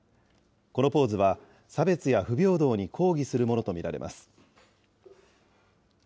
このポーズは、差別や不平等に抗議するものと見られます。